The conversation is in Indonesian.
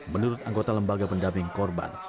menurut anggota lembaga pendamping korban